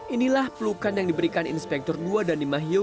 inilah pelukan yang diberikan inspektur dua dhani mahyu